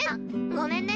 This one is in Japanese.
ごめんね。